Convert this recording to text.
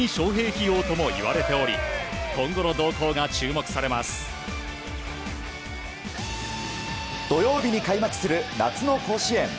費用ともいわれており今後の動向が土曜日に開幕する夏の甲子園。